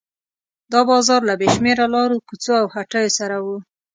دا بازار له بې شمېره لارو کوڅو او هټیو سره و.